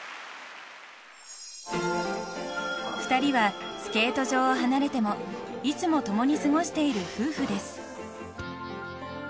２人はスケート場を離れてもいつも共に過ごしている夫婦です。